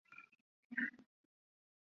开皇九年。